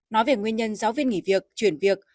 nói về nguyên nhân giáo viên nghỉ việc chuyển việc